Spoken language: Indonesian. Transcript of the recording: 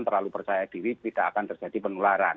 terlalu percaya diri tidak akan terjadi penularan